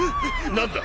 何だ？